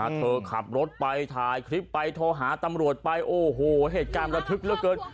เธอขับรถไปถ่ายคลิปไปโทรหาตำรวจไปโอ้โหเหตุการณ์ระทึกเหลือเกิน